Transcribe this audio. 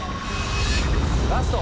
ラスト。